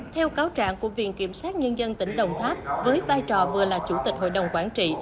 theo cáo trạng của viện kiểm sát nhân dân tỉnh đồng tháp với vai trò vừa là chủ tịch hội đồng quản trị